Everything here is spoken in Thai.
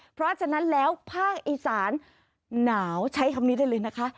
เพราะฉะนั้นแล้วภาคอีสานหนาวใช้คำนี้ได้เลยนะคะ